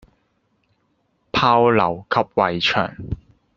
炮樓及圍牆